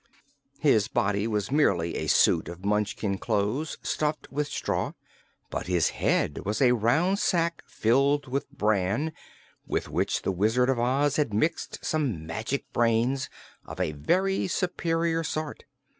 His body was merely a suit of Munchkin clothes stuffed with straw, but his head was a round sack filled with bran, with which the Wizard of Oz had mixed some magic brains of a very superior sort.